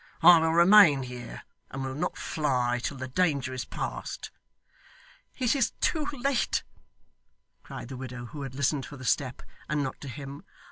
'I will remain here, and will not fly till the danger is past.' 'It is too late!' cried the widow, who had listened for the step, and not to him.